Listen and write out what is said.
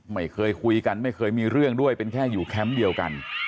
ไม่เคยคุยกันไม่เคยมีเรื่องด้วยเป็นแค่อยู่แคมป์เดียวกัน